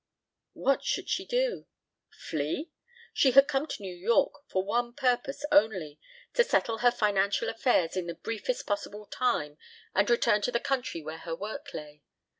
What should she do? Flee? She had come to New York for one purpose only, to settle her financial affairs in the briefest possible time and return to the country where her work lay.